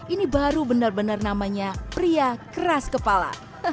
ini baru benar benar namanya pria keras kepala